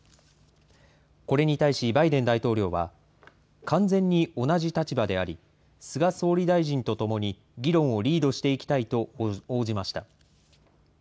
これに対し、バイデン大統領は、完全に同じ立場であり、菅総理大臣と共に議論をリードしていきたいと応じました。